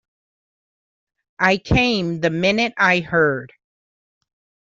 I came the minute I heard.